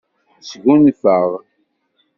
Sgunfaɣ.